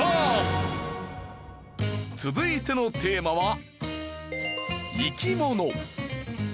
続いてのテーマは生き物。